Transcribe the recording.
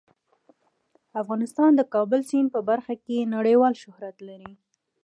افغانستان د د کابل سیند په برخه کې نړیوال شهرت لري.